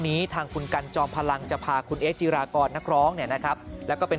นี้ทางคุณกันจอมพลังจะพาคุณเอจีรากรนักร้องแล้วก็เป็น